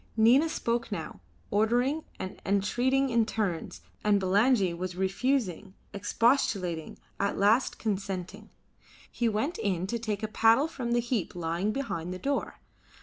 Nina spoke now, ordering and entreating in turns, and Bulangi was refusing, expostulating, at last consenting. He went in to take a paddle from the heap lying behind the door.